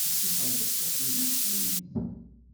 Ixelleṣ tafunast d mmi-s!